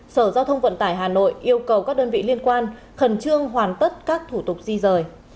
sở giao thông vận tải hà nội yêu cầu các đơn vị liên quan khẩn trương hoàn tất các thủ tục di rời